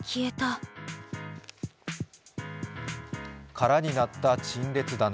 空になった陳列棚。